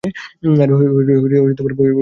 আরে ওই আমেরিকান মেয়ে?